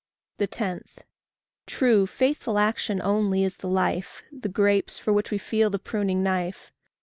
10. True, faithful action only is the life, The grapes for which we feel the pruning knife.